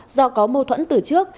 do có mô thuẫn từ trước